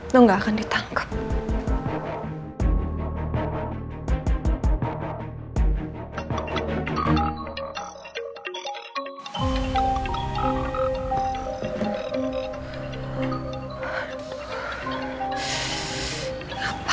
lo gak akan ditangkap